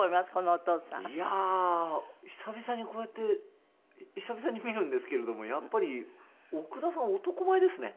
いやあ久々にこうやって久々に見るんですけれどもやっぱり奥田さん男前ですね。